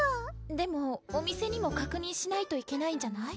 でもお店にも確認しないといけないんじゃない？